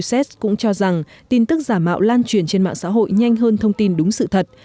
viện công nghệ massachusetts cho rằng tin tức giả mạo lan truyền trên mạng xã hội nhanh hơn thông tin đúng sự thật